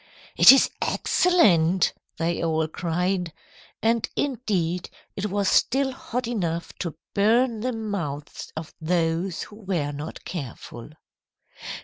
"'It is excellent,' they all cried. And indeed it was still hot enough to burn the mouths of those who were not careful."